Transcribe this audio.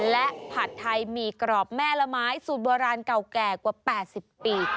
และผัดไทยหมี่กรอบแม่ละไม้สูตรโบราณเก่าแก่กว่า๘๐ปี